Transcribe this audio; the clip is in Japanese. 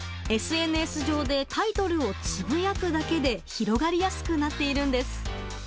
ＳＮＳ上でタイトルをつぶやくだけで広がりやすくなっているんです。